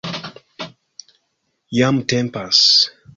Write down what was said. Jam tempas